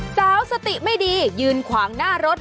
สติไม่ดียืนขวางหน้ารถ